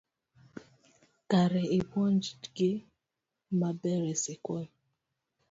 Kare ipuonjogi maber e sikul